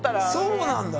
そうなんだ。